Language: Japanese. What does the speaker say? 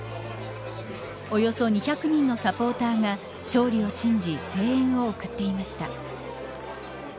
およそ２００人のサポーターが勝利を信じ声援を送っていました。